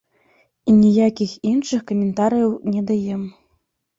І ніякіх іншых каментарыяў не даем.